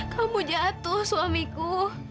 kamu jatuh suamiku